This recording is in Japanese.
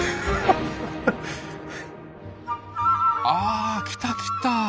あ来た来た。